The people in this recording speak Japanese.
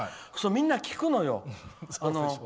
みんな聞くのよ。